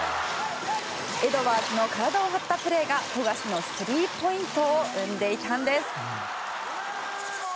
エドワーズの体を張ったプレーが富樫のスリーポイントを生んでいたんです。